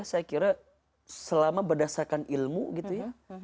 saya kira selama berdasarkan ilmu gitu ya